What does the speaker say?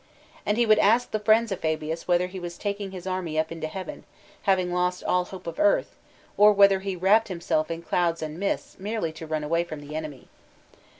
And he would ask the friends of Fabius whether he was taking his army up into heaven, having lost all hope of earth, or whether he wrapped himself in clouds and mists merely to run away from the enemy.